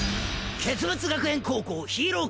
傑物学園高校ヒーロー科